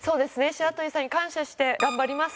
白鳥さんに感謝して頑張ります。